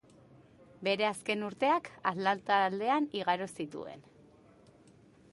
Bere azken urteak Atlanta aldean igaro zituen.